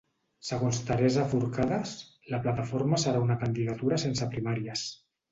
Segons Teresa Forcades, la plataforma serà una candidatura sense primàries.